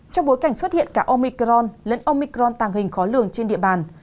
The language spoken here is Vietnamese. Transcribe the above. trong bối cảnh xuất hiện cả omicron lẫn omicron tàng hình khó lường trên địa bàn